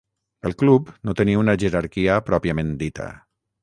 El club no tenia una jerarquia pròpiament dita.